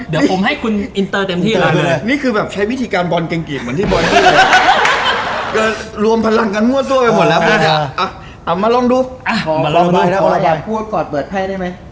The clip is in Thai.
เดี๋ยวผมให้คุณอินเตอร์เต็มที่เลยอันนี้คือแบบใช้